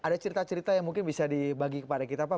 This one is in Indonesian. ada cerita cerita yang mungkin bisa dibagi kepada kita pak